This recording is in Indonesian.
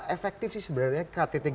efektif sih sebenarnya kttg dua puluh